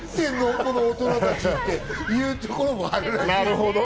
この大人たちっていうところもあるらしい。